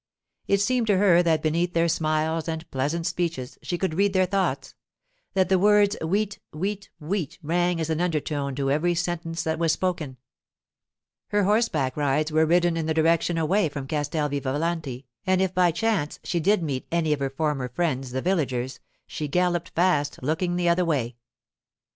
It seemed to her that beneath their smiles and pleasant speeches she could read their thoughts; that the words 'wheat, wheat, wheat' rang as an undertone to every sentence that was spoken. Her horseback rides were ridden in the direction away from Castel Vivalanti, and if, by chance, she did meet any of her former friends the villagers, she galloped past, looking the other way.